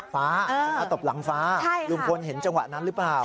ฟ้าตบหลังฟ้าลุงพลเห็นจังหวะนั้นหรือเปล่า